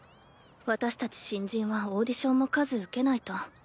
私たち新人はオーディションも数受けないと。